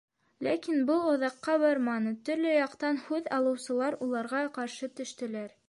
Ләкин был оҙаҡҡа барманы, төрлө яҡтан һүҙ алыусылар уларға ҡаршы төштөләр.